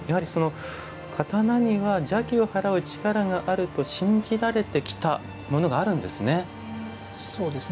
邪気を払う力があると信じられてきたことがあるんですね。